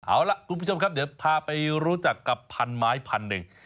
เอาล่ะคุณผู้ชมครับเดี๋ยวพาไปรู้จักกับพันไม้พันหนึ่ง